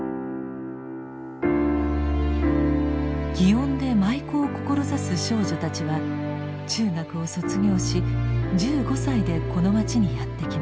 祇園で舞妓を志す少女たちは中学を卒業し１５歳でこの町にやって来ます。